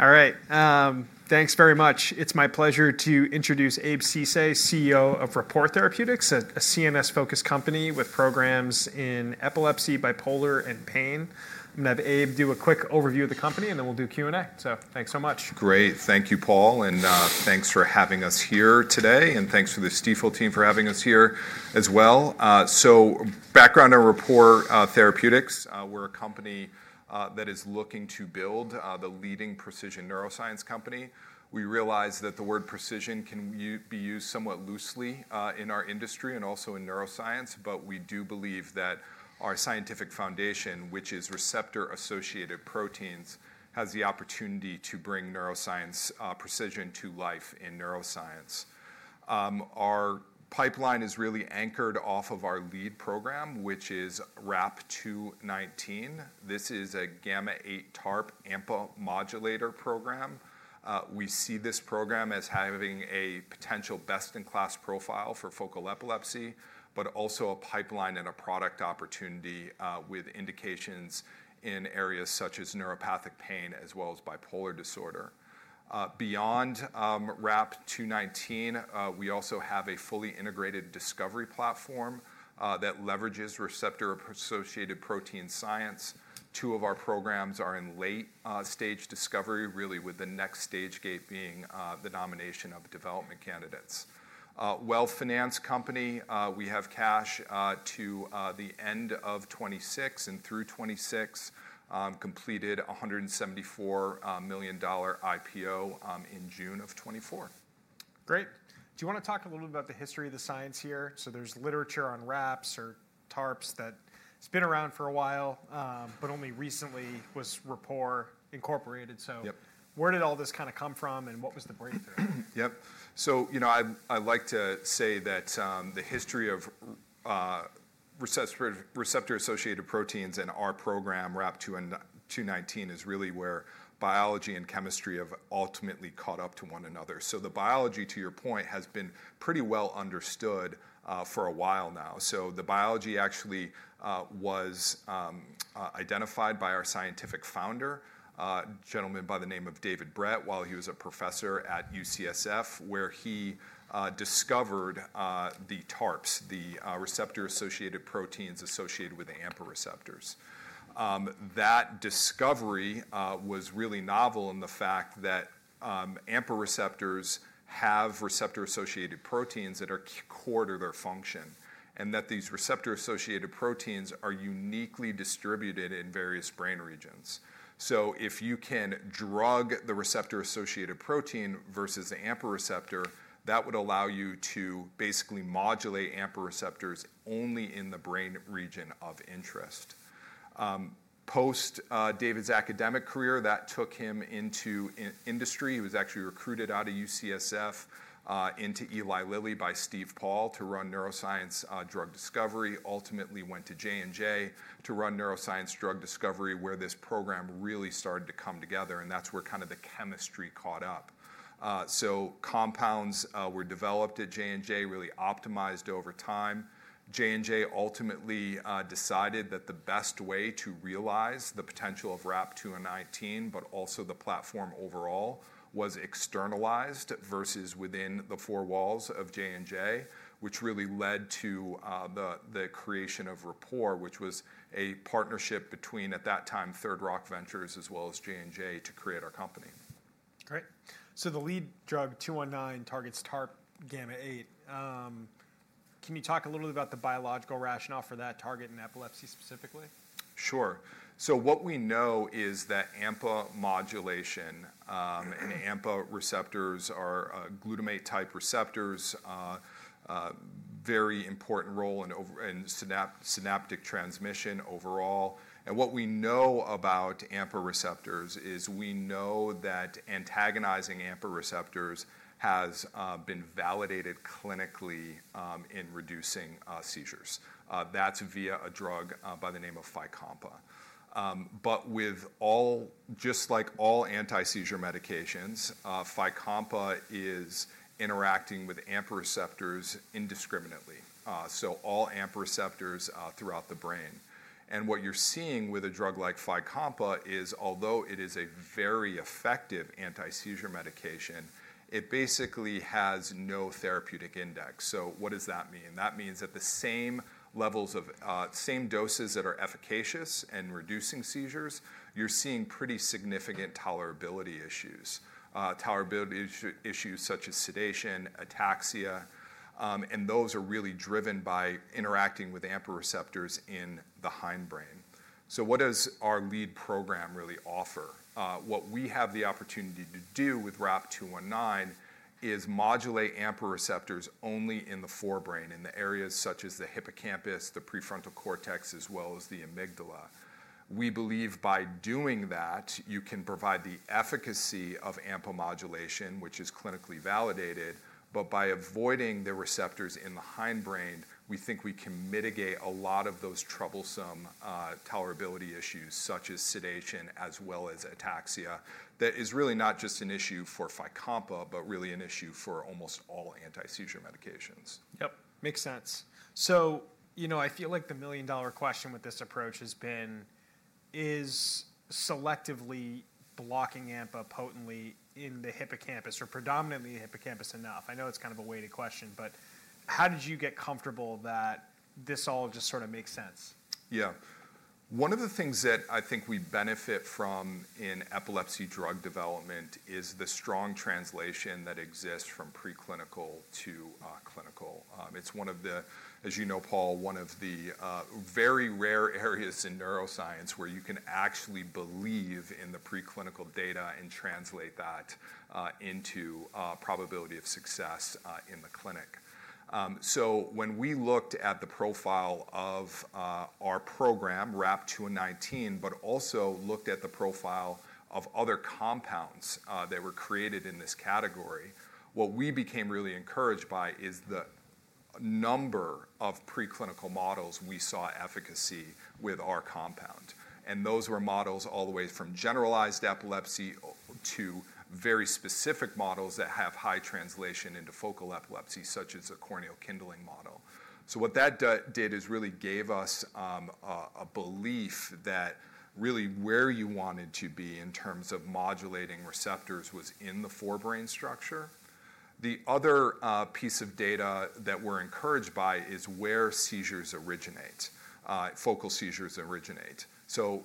All right. Thanks very much. It's my pleasure to introduce Abe Ceesay, CEO of Rapport Therapeutics, a CNS-focused company with programs in epilepsy, bipolar, and pain. I'm going to have Abe do a quick overview of the company, and then we'll do Q&A, so thanks so much. Great. Thank you, Paul. And thanks for having us here today. And thanks to the Stifel team for having us here as well. So background on Rapport Therapeutics, we're a company that is looking to build the leading precision neuroscience company. We realize that the word precision can be used somewhat loosely in our industry and also in neuroscience, but we do believe that our scientific foundation, which is receptor-associated proteins, has the opportunity to bring neuroscience precision to life in neuroscience. Our pipeline is really anchored off of our lead program, which is RAP-219. This is a gamma-8 TARP AMPA modulator program. We see this program as having a potential best-in-class profile for focal epilepsy, but also a pipeline and a product opportunity with indications in areas such as neuropathic pain as well as bipolar disorder. Beyond RAP-219, we also have a fully integrated discovery platform that leverages receptor-associated protein science. Two of our programs are in late-stage discovery, really with the next stage gate being the nomination of development candidates. Well-financed company. We have cash to the end of 2026 and through 2026, completed a $174 million IPO in June of 2024. Great. Do you want to talk a little bit about the history of the science here? So there's literature on RAPs or TARPs that has been around for a while, but only recently was Rapport incorporated. So where did all this kind of come from, and what was the breakthrough? Yep. So I'd like to say that the history of receptor-associated proteins and our program, RAP-219, is really where biology and chemistry have ultimately caught up to one another. So the biology, to your point, has been pretty well understood for a while now. So the biology actually was identified by our scientific founder, a gentleman by the name of David Bredt, while he was a professor at UCSF, where he discovered the TARPs, the receptor-associated proteins associated with the AMPA receptors. That discovery was really novel in the fact that AMPA receptors have receptor-associated proteins that are core to their function, and that these receptor-associated proteins are uniquely distributed in various brain regions. So if you can drug the receptor-associated protein versus the AMPA receptor, that would allow you to basically modulate AMPA receptors only in the brain region of interest. Post David's academic career, that took him into industry. He was actually recruited out of UCSF into Eli Lilly by Steve Paul to run neuroscience drug discovery. Ultimately, he went to J&J to run neuroscience drug discovery, where this program really started to come together, and that's where kind of the chemistry caught up, so compounds were developed at J&J, really optimized over time. J&J ultimately decided that the best way to realize the potential of RAP-219, but also the platform overall, was externalized versus within the four walls of J&J, which really led to the creation of Rapport, which was a partnership between, at that time, Third Rock Ventures as well as J&J to create our company. Great. So the lead drug 219 targets TARPγ8. Can you talk a little bit about the biological rationale for that target in epilepsy specifically? Sure. So what we know is that AMPA modulation and AMPA receptors are glutamate-type receptors, very important role in synaptic transmission overall. And what we know about AMPA receptors is we know that antagonizing AMPA receptors has been validated clinically in reducing seizures. That's via a drug by the name of Fycompa. But just like all anti-seizure medications, Fycompa is interacting with AMPA receptors indiscriminately, so all AMPA receptors throughout the brain. And what you're seeing with a drug like Fycompa is, although it is a very effective anti-seizure medication, it basically has no therapeutic index. So what does that mean? That means that the same doses that are efficacious in reducing seizures, you're seeing pretty significant tolerability issues, tolerability issues such as sedation, ataxia. And those are really driven by interacting with AMPA receptors in the hindbrain. So what does our lead program really offer? What we have the opportunity to do with RAP-219 is modulate AMPA receptors only in the forebrain, in the areas such as the hippocampus, the prefrontal cortex, as well as the amygdala. We believe by doing that, you can provide the efficacy of AMPA modulation, which is clinically validated, but by avoiding the receptors in the hindbrain, we think we can mitigate a lot of those troublesome tolerability issues such as sedation as well as ataxia that is really not just an issue for Fycompa, but really an issue for almost all anti-seizure medications. Yep. Makes sense. So I feel like the million-dollar question with this approach has been, is selectively blocking AMPA potently in the hippocampus or predominantly the hippocampus enough? I know it's kind of a weighted question, but how did you get comfortable that this all just sort of makes sense? Yeah. One of the things that I think we benefit from in epilepsy drug development is the strong translation that exists from preclinical to clinical. It's one of the, as you know, Paul, one of the very rare areas in neuroscience where you can actually believe in the preclinical data and translate that into probability of success in the clinic. So when we looked at the profile of our program, RAP-219, but also looked at the profile of other compounds that were created in this category, what we became really encouraged by is the number of preclinical models we saw efficacy with our compound, and those were models all the way from generalized epilepsy to very specific models that have high translation into focal epilepsy, such as a corneal kindling model. What that did is really gave us a belief that really where you wanted to be in terms of modulating receptors was in the forebrain structure. The other piece of data that we're encouraged by is where seizures originate, focal seizures originate.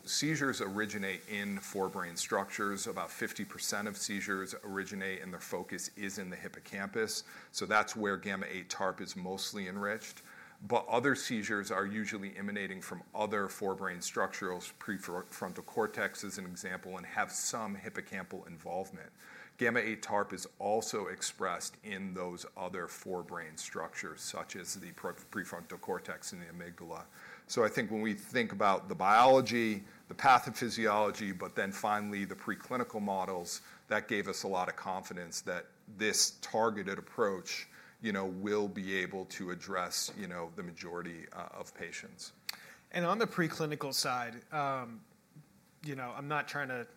Seizures originate in forebrain structures. About 50% of seizures originate and their focus is in the hippocampus. That's where gamma-8 TARP is mostly enriched. But other seizures are usually emanating from other forebrain structures, prefrontal cortex as an example, and have some hippocampal involvement. gamma-8 TARP is also expressed in those other forebrain structures, such as the prefrontal cortex and the amygdala. I think when we think about the biology, the pathophysiology, but then finally the preclinical models, that gave us a lot of confidence that this targeted approach will be able to address the majority of patients. On the preclinical side, I'm not trying to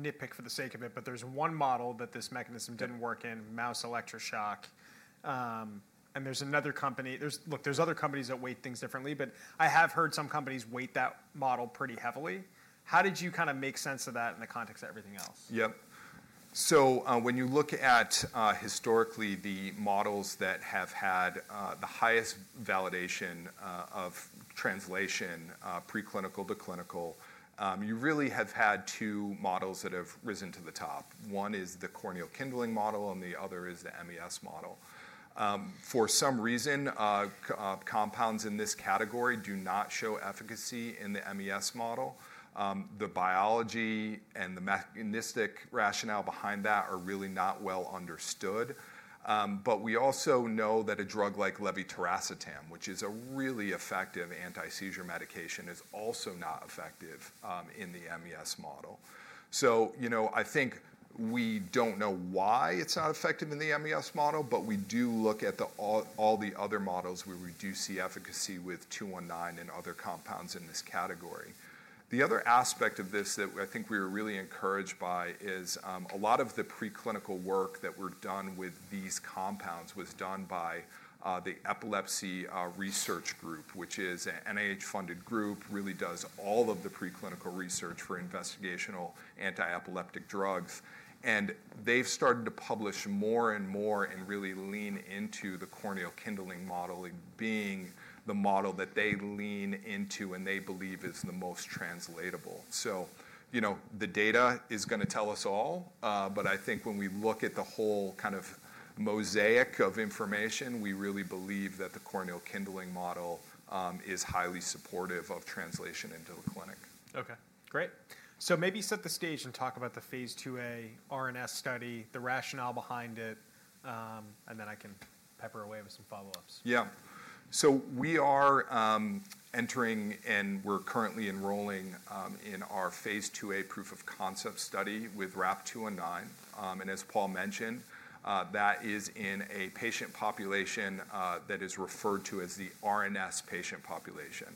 nitpick for the sake of it, but there's one model that this mechanism didn't work in, mouse electroshock. There's another company. Look, there's other companies that weigh things differently, but I have heard some companies weigh that model pretty heavily. How did you kind of make sense of that in the context of everything else? Yep. So when you look at historically the models that have had the highest validation of translation, preclinical to clinical, you really have had two models that have risen to the top. One is the Corneal Kindling model, and the other is the MES model. For some reason, compounds in this category do not show efficacy in the MES model. The biology and the mechanistic rationale behind that are really not well understood. But we also know that a drug like levetiracetam, which is a really effective anti-seizure medication, is also not effective in the MES model. So I think we don't know why it's not effective in the MES model, but we do look at all the other models where we do see efficacy with 219 and other compounds in this category. The other aspect of this that I think we were really encouraged by is a lot of the preclinical work that was done with these compounds was done by the Epilepsy Research Group, which is an NIH-funded group, really does all of the preclinical research for investigational antiepileptic drugs, and they've started to publish more and more and really lean into the Corneal Kindling model being the model that they lean into and they believe is the most translatable, so the data is going to tell us all, but I think when we look at the whole kind of mosaic of information, we really believe that the Corneal Kindling model is highly supportive of translation into the clinic. Okay. Great. So maybe set the stage and talk about the phase IIa RNS study, the rationale behind it, and then I can pepper away with some follow-ups. Yeah. So we are entering and we're currently enrolling in our phase IIa proof of concept study with RAP-219. And as Paul mentioned, that is in a patient population that is referred to as the RNS patient population.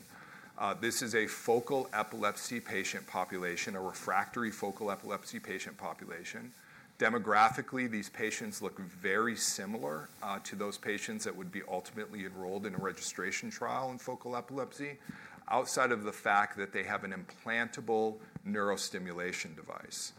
This is a focal epilepsy patient population, a refractory focal epilepsy patient population. Demographically, these patients look very similar to those patients that would be ultimately enrolled in a registration trial in focal epilepsy, outside of the fact that they have an implantable neurostimulation device.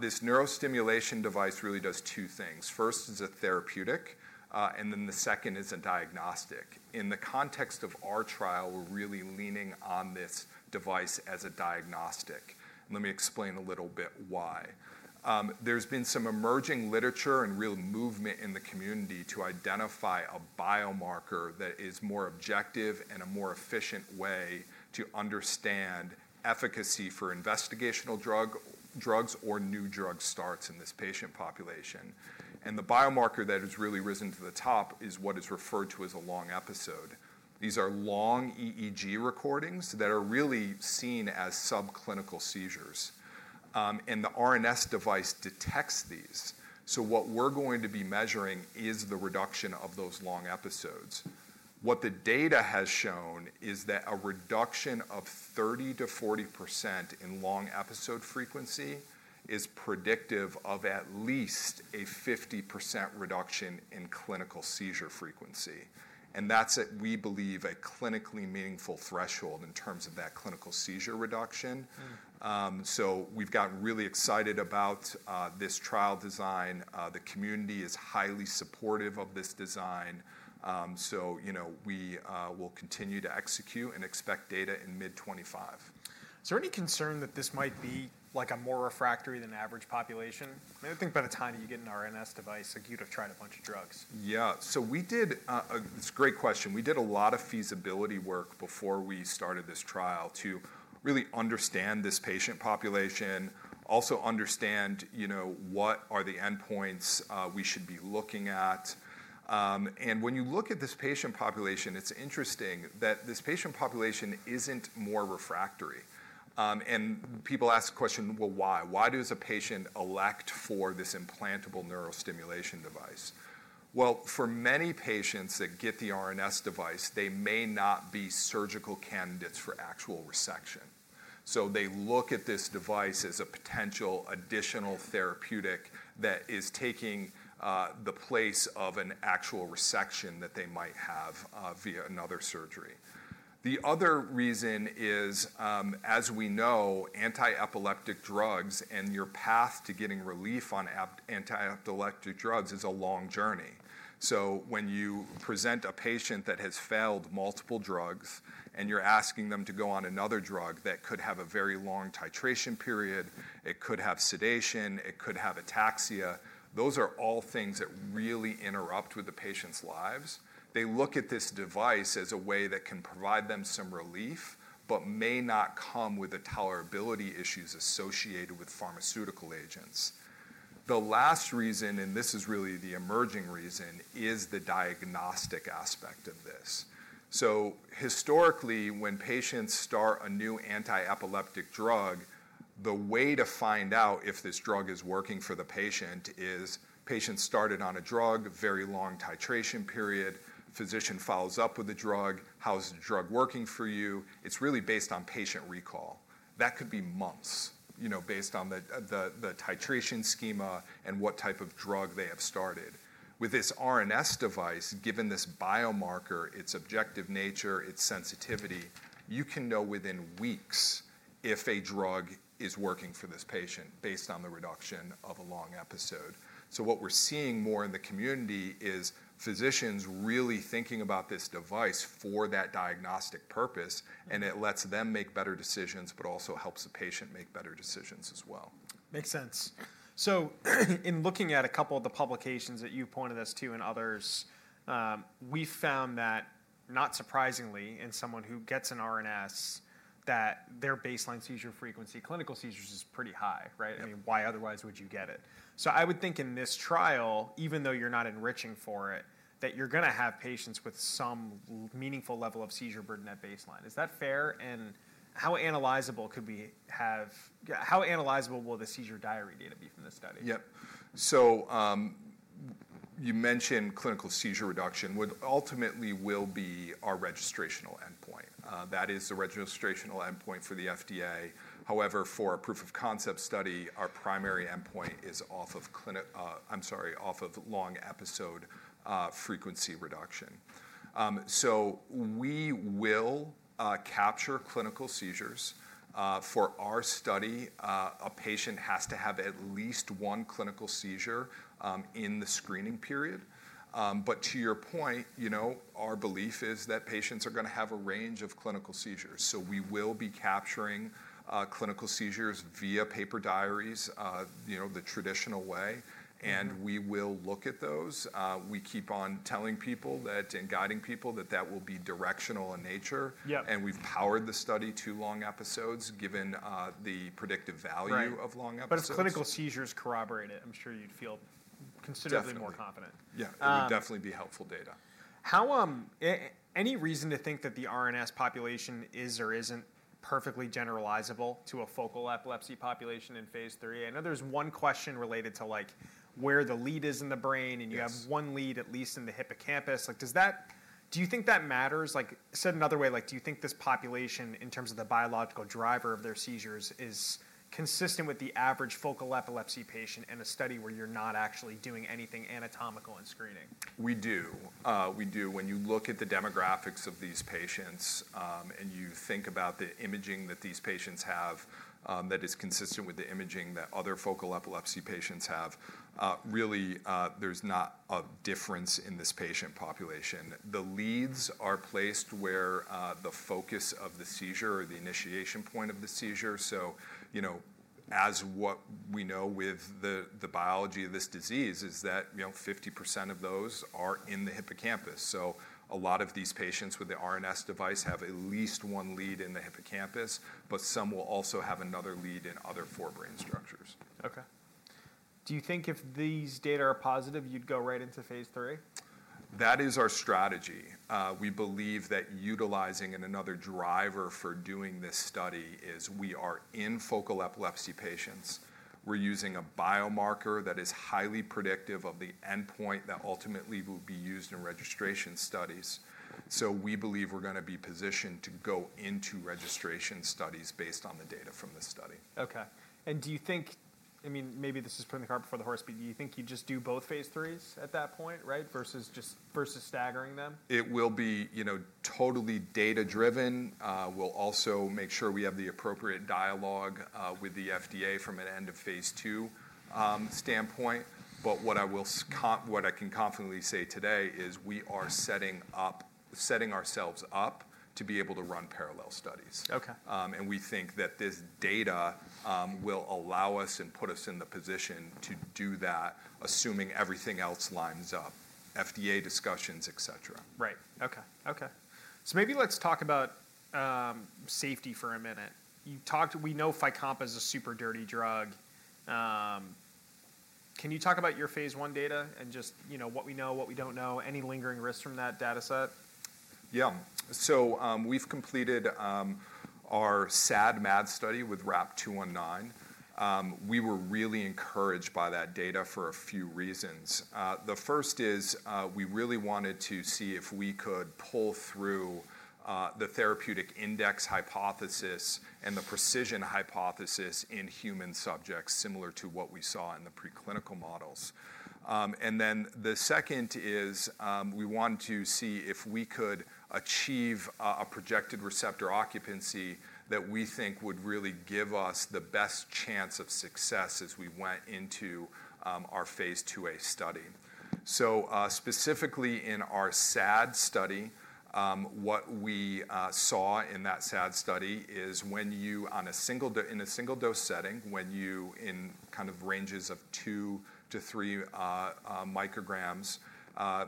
This neurostimulation device really does two things. First is a therapeutic, and then the second is a diagnostic. In the context of our trial, we're really leaning on this device as a diagnostic. Let me explain a little bit why. There's been some emerging literature and real movement in the community to identify a biomarker that is more objective and a more efficient way to understand efficacy for investigational drugs or new drug starts in this patient population, and the biomarker that has really risen to the top is what is referred to as a long episode. These are long EEG recordings that are really seen as subclinical seizures, and the RNS device detects these, so what we're going to be measuring is the reduction of those long episodes. What the data has shown is that a reduction of 30% to 40% in long episode frequency is predictive of at least a 50% reduction in clinical seizure frequency, and that's, we believe, a clinically meaningful threshold in terms of that clinical seizure reduction, so we've gotten really excited about this trial design. The community is highly supportive of this design. We will continue to execute and expect data in mid-2025. Is there any concern that this might be like a more refractory than average population? I think by the time you get an RNS device, you'd have tried a bunch of drugs. Yeah. So we did. It's a great question. We did a lot of feasibility work before we started this trial to really understand this patient population, also understand what are the endpoints we should be looking at. And when you look at this patient population, it's interesting that this patient population isn't more refractory. And people ask the question, well, why? Why does a patient elect for this implantable neurostimulation device? Well, for many patients that get the RNS device, they may not be surgical candidates for actual resection. So they look at this device as a potential additional therapeutic that is taking the place of an actual resection that they might have via another surgery. The other reason is, as we know, antiepileptic drugs and your path to getting relief on antiepileptic drugs is a long journey. So when you present a patient that has failed multiple drugs and you're asking them to go on another drug that could have a very long titration period, it could have sedation, it could have ataxia, those are all things that really interrupt with the patient's lives. They look at this device as a way that can provide them some relief, but may not come with the tolerability issues associated with pharmaceutical agents. The last reason, and this is really the emerging reason, is the diagnostic aspect of this. So historically, when patients start a new antiepileptic drug, the way to find out if this drug is working for the patient is patient started on a drug, very long titration period, physician follows up with the drug, how's the drug working for you? It's really based on patient recall. That could be months based on the titration schema and what type of drug they have started. With this RNS device, given this biomarker, its objective nature, its sensitivity, you can know within weeks if a drug is working for this patient based on the reduction of a long episode, so what we're seeing more in the community is physicians really thinking about this device for that diagnostic purpose, and it lets them make better decisions, but also helps the patient make better decisions as well. Makes sense. So in looking at a couple of the publications that you pointed us to and others, we found that, not surprisingly, in someone who gets an RNS, that their baseline seizure frequency clinical seizures is pretty high, right? I mean, why otherwise would you get it? So I would think in this trial, even though you're not enriching for it, that you're going to have patients with some meaningful level of seizure burden at baseline. Is that fair? How analyzable will the seizure diary data be from this study? Yep. So you mentioned clinical seizure reduction, which ultimately will be our registrational endpoint. That is the registrational endpoint for the FDA. However, for a proof of concept study, our primary endpoint is off of long episode frequency reduction. So we will capture clinical seizures. For our study, a patient has to have at least one clinical seizure in the screening period. But to your point, our belief is that patients are going to have a range of clinical seizures. So we will be capturing clinical seizures via paper diaries, the traditional way, and we will look at those. We keep on telling people that and guiding people that that will be directional in nature. And we've powered the study to long episodes given the predictive value of long episodes. But if clinical seizures corroborate it, I'm sure you'd feel considerably more confident. Yeah. It would definitely be helpful data. Any reason to think that the RNS population is or isn't perfectly generalizable to a focal epilepsy population in phase IIIa? I know there's one question related to where the lead is in the brain, and you have one lead at least in the hippocampus. Do you think that matters? Said another way, do you think this population in terms of the biological driver of their seizures is consistent with the average focal epilepsy patient in a study where you're not acatually doing anything anatomical in screening? We do. We do. When you look at the demographics of these patients and you think about the imaging that these patients have that is consistent with the imaging that other focal epilepsy patients have, really there's not a difference in this patient population. The leads are placed where the focus of the seizure or the initiation point of the seizure. So what we know with the biology of this disease is that 50% of those are in the hippocampus. So a lot of these patients with the RNS device have at least one lead in the hippocampus, but some will also have another lead in other forebrain structures. Okay. Do you think if these data are positive, you'd go right into phase III? That is our strategy. We believe that utilizing another driver for doing this study is we are in focal epilepsy patients. We're using a biomarker that is highly predictive of the endpoint that ultimately will be used in registration studies, so we believe we're going to be positioned to go into registration studies based on the data from this study. Okay. And do you think, I mean, maybe this is putting the cart before the horse, but do you think you just do both phase IIIs at that point, right, versus staggering them? It will be totally data-driven. We'll also make sure we have the appropriate dialogue with the FDA from an end of phase II standpoint, but what I can confidently say today is we are setting ourselves up to be able to run parallel studies. We think that this data will allow us and put us in the position to do that, assuming everything else lines up, FDA discussions, et cetera. Right. Okay. So maybe let's talk about safety for a minute. We know Fycompa is a super dirty drug. Can you talk about your phase I data and just what we know, what we don't know, any lingering risks from that data set? Yeah. So we've completed our SAD-MAD study with RAP-219. We were really encouraged by that data for a few reasons. The first is we really wanted to see if we could pull through the therapeutic index hypothesis and the precision hypothesis in human subjects similar to what we saw in the preclinical models. And then the second is we wanted to see if we could achieve a projected receptor occupancy that we think would really give us the best chance of success as we went into our phase IIa study. So specifically in our SAD study, what we saw in that SAD study is, in a single-dose setting, in kind of ranges of two to three micrograms,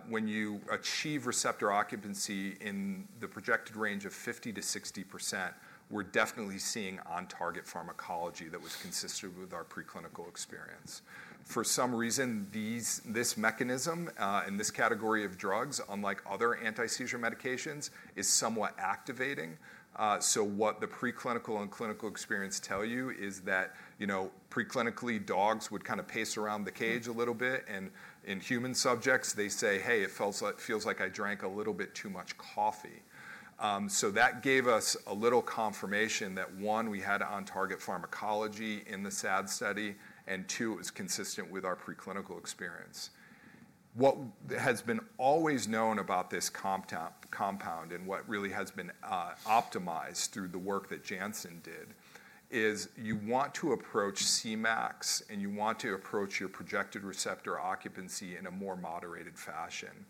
when you achieve receptor occupancy in the projected range of 50%-60%, we're definitely seeing on-target pharmacology that was consistent with our preclinical experience. For some reason, this mechanism in this category of drugs, unlike other antiseizure medications, is somewhat activating. So what the preclinical and clinical experience tell you is that preclinically, dogs would kind of pace around the cage a little bit, and in human subjects, they say, "Hey, it feels like I drank a little bit too much coffee." So that gave us a little confirmation that, one, we had on-target pharmacology in the SAD study, and two, it was consistent with our preclinical experience. What has been always known about this compound and what really has been optimized through the work that Janssen did is you want to approach Cmax, and you want to approach your projected receptor occupancy in a more moderated fashion.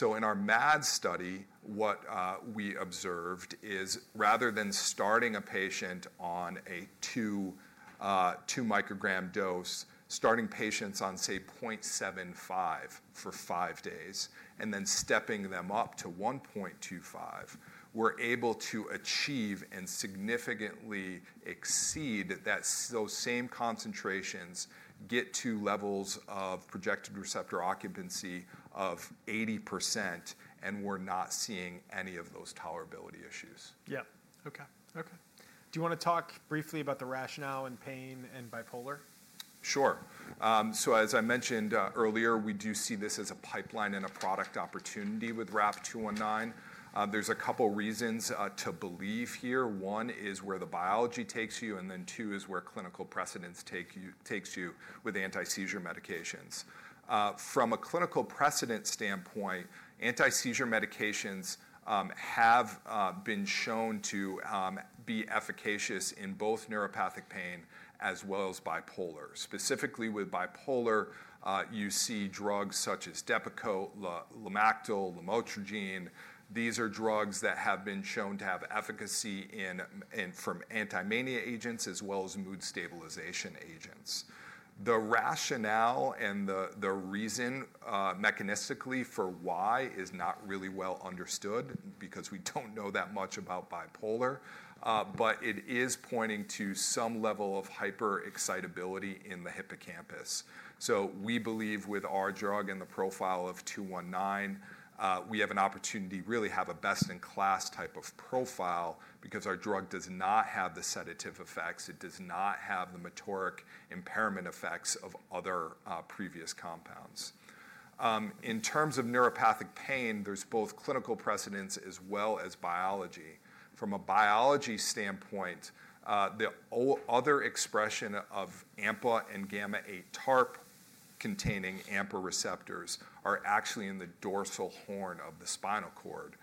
In our MAD study, what we observed is rather than starting a patient on a 2 microgram dose, starting patients on, say, 0.75 for five days, and then stepping them up to 1.25, we're able to achieve and significantly exceed those same concentrations, get to levels of projected receptor occupancy of 80%, and we're not seeing any of those tolerability issues. Do you want to talk briefly about the rationale in pain and bipolar? Sure. So as I mentioned earlier, we do see this as a pipeline and a product opportunity with RAP-219. There's a couple of reasons to believe here. One is where the biology takes you, and then two is where clinical precedent takes you with antiseizure medications. From a clinical precedent standpoint, antiseizure medications have been shown to be efficacious in both neuropathic pain as well as bipolar. Specifically with bipolar, you see drugs such as Depakote, Lamictal, Lamotrigine. These are drugs that have been shown to have efficacy from anti-mania agents as well as mood stabilization agents. The rationale and the reason mechanistically for why is not really well understood because we don't know that much about bipolar, but it is pointing to some level of hyperexcitability in the hippocampus. So we believe with our drug and the profile of 219, we have an opportunity to really have a best-in-class type of profile because our drug does not have the sedative effects. It does not have the motoric impairment effects of other previous compounds. In terms of neuropathic pain, there's both clinical precedent as well as biology. From a biology standpoint, the other expression of AMPA and gamma-8 TARP containing AMPA receptors are actually in the dorsal horn of the spinal cord,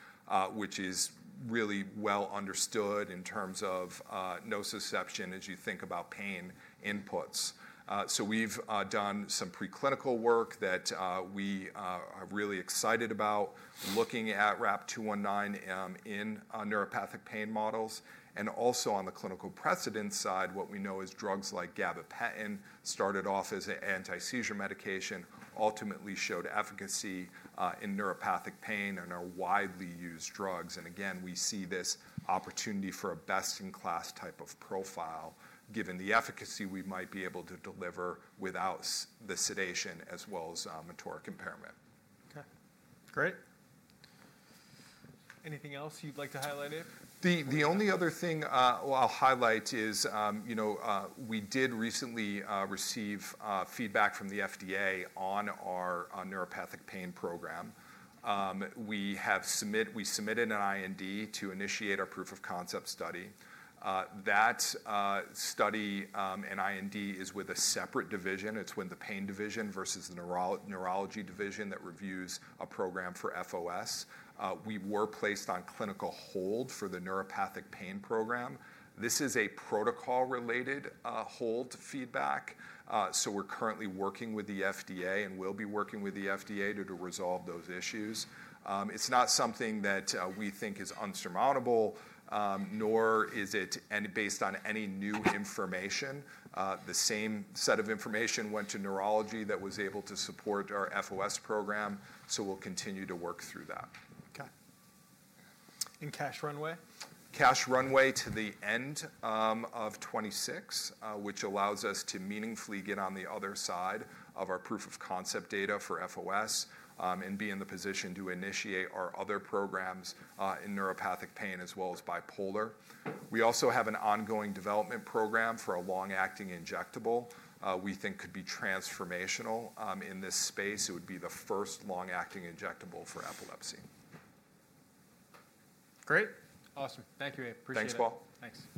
which is really well understood in terms of nociception as you think about pain inputs. So we've done some preclinical work that we are really excited about looking at RAP-219 in neuropathic pain models. And also on the clinical precedent side, what we know is drugs like gabapentin started off as an antiseizure medication, ultimately showed efficacy in neuropathic pain and are widely used drugs. Again, we see this opportunity for a best-in-class type of profile given the efficacy we might be able to deliver without the sedation as well as motoric impairment. Okay. Great. Anything else you'd like to highlight, Abe? The only other thing I'll highlight is we did recently receive feedback from the FDA on our neuropathic pain program. We submitted an IND to initiate our proof of concept study. That study and IND is with a separate division. It's with the pain division versus the neurology division that reviews a program for FOS. We were placed on clinical hold for the neuropathic pain program. This is a protocol-related hold feedback. So we're currently working with the FDA and will be working with the FDA to resolve those issues. It's not something that we think is unsurmountable, nor is it based on any new information. The same set of information went to neurology that was able to support our FOS program. So we'll continue to work through that. Okay. And cash runway? Cash runway to the end of 2026, which allows us to meaningfully get on the other side of our proof of concept data for FOS and be in the position to initiate our other programs in neuropathic pain as well as bipolar. We also have an ongoing development program for a long-acting injectable. We think could be transformational in this space. It would be the first long-acting injectable for epilepsy. Great. Awesome. Thank you, Abe. Appreciate it. Thanks, Paul. Thanks.